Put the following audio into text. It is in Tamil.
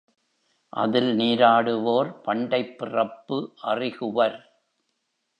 அதில் நீராடுவோர் பண்டைப் பிறப்பு அறிகுவர்.